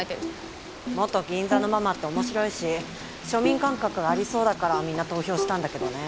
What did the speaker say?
元銀座のママって面白いし庶民感覚がありそうだからみんな投票したんだけどね。